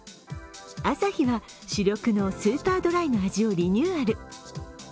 アサヒは主力のスーパードライの味をリニューアル。